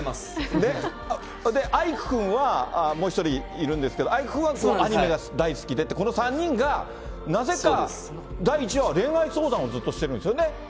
で、アイク君は、もう１人いるんですけど、アイク君はアニメが大好きでって、この３人がなぜか大知は恋愛相談をずっとしてるんですよね。